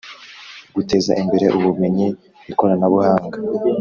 Guteza imbere ubumenyi ikoranabuhanga